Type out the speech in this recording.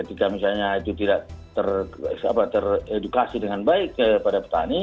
itu tidak teredukasi dengan baik kepada petani